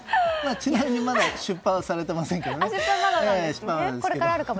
ちなみにまだ出版されていませんが。